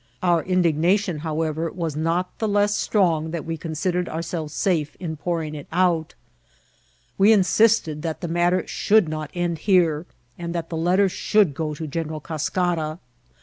Our indignation, however, was not the less strong that we considered ourselves safe in pouring it out. We insisted that the matter should not end here, and that the letter should go to General Cas cara.